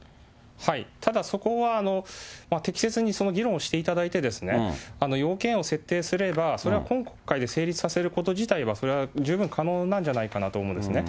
ただ、そこは適切に議論をしていただいて、要件を設定すれば、それは今国会で成立させること自体は、それは十分可能なんじゃないかなと思うんですね。